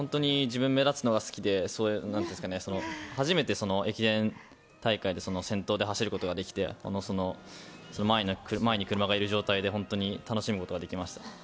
自分は目立つのが好きで、初めて駅伝大会で先頭で走ることができて前に車がいる状態で楽しむことができました。